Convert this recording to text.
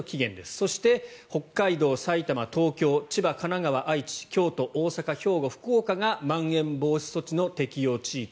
そして北海道、埼玉東京、千葉、神奈川愛知、京都、大阪、兵庫、福岡がまん延防止措置の適用地域。